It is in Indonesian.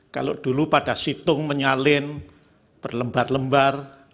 kalau dulu pada situng menyalin berlembar lembar